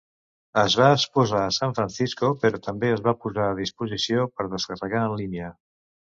Es va exposar a San Francisco, però també es va posar a disposició per descarregar en línia.